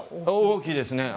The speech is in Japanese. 大きいですね。